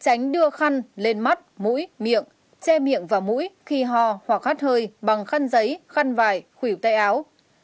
bốn tránh đưa khăn lên mắt mũi miệng che miệng và mũi khi hò hoặc hắt hơi bằng khăn giấy khăn vải khủy tây áo